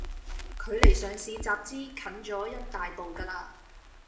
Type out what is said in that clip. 距離上市集資近咗一大步㗎啦